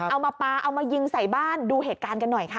เอามาปลาเอามายิงใส่บ้านดูเหตุการณ์กันหน่อยค่ะ